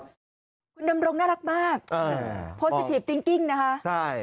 คุณดำรงน่ารักมากโพสต์สิทีฟติ้งกิ้งนะคะใช่